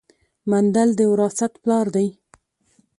مندل د وراثت پلار دی